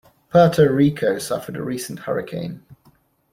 Puerto Rico suffered a recent hurricane.